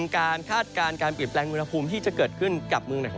การคาดการณ์การปิดแปลงมูลภูมิที่จะเกิดขึ้นกับเมืองไหน